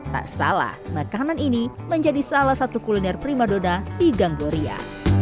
tak salah makanan ini menjadi salah satu kuliner primadona di gang gloria